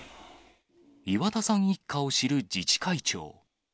岩田さん一家を知る自治会長。